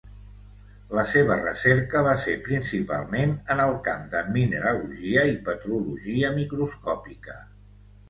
La seva recerca va ser principalment en el camp de mineralogia i petrologia microscòpica.